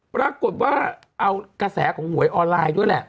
ปรากฏว่าเอากระแสของหวยออนไลน์ด้วยแหละ